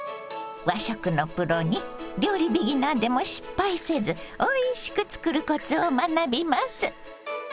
和食のプロに料理ビギナーでも失敗せずおいしく作るコツを学びます！